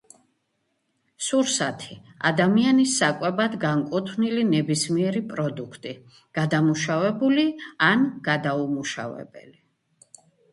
სურსათი ადამიანის საკვებად განკუთვნილი ნებისმიერი პროდუქტი, გადამუშავებული ან გადაუმუშავებელი.